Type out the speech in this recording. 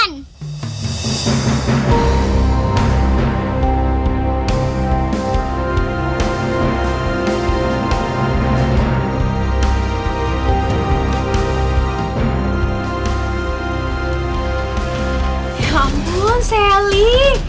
ya ampun selly